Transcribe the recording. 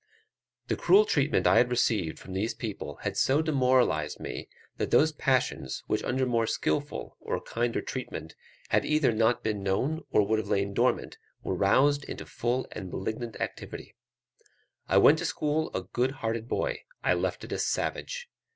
The cruel treatment I had received from these people, had so demoralized me, that those passions, which under more skilful or kinder treatment, had either not been known, or would have lain dormant, were roused into full and malignant activity: I went to school a good hearted boy, I left it a savage.